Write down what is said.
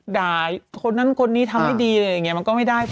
ด่าคนนั้นคนนี้ทำไม่ดีเลยมันก็ไม่ได้ผล